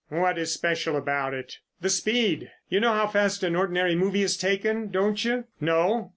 "What is special about it?" "The speed. You know how fast an ordinary movie is taken, don't you? No?